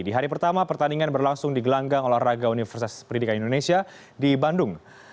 di hari pertama pertandingan berlangsung di gelanggang olahraga universitas pendidikan indonesia di bandung